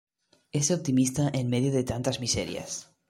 Es optimista en medio de tantas miserias.